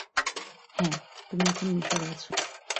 হ্যাঁ, তুমি এখন মিশরে আছো!